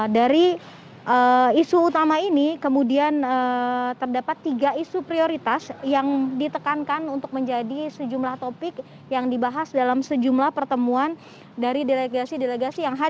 dari isu utama ini kemudian terdapat tiga isu prioritas yang ditekankan untuk menjadi sejumlah topik yang dibahas dalam sejumlah pertemuan dari delegasi delegasi yang hadir